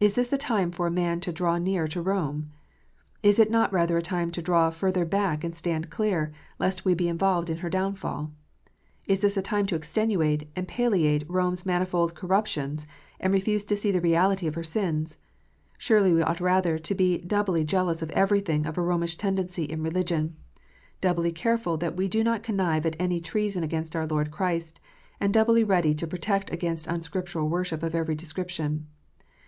Is this a time for a man to draw nearer to Eome ? Is it not rather a time to draw further back and stand clear, lest we be involved in her downfall ? Is this a time to extenuate and palliate Rome s manifold corruptions, and refuse to see the reality of her sins 1 Surely we ought rather to be doubly jealous of everything of a Romish tendency in religion, doubly careful that we do not connive at any treason against our Lord Christ, and doubly ready to protest against unscriptural worship of every description.